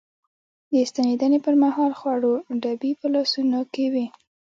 د ستنېدنې پر مهال خوړو ډبي په لاسونو کې وې.